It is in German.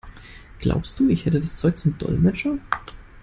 Glaubst du, ich hätte das Zeug zum Dolmetscher?